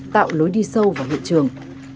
tạo lối đi sâu vào hiện trường